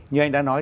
như anh đã nói